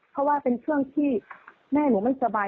เพราะว่าเป็นช่วงที่แม่หนูไม่สบาย